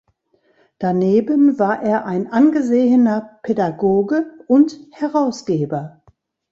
Daneben war er ein angesehener Pädagoge und Herausgeber.